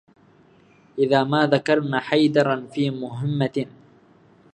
إذا ما ذكرنا حيدرا في مهمة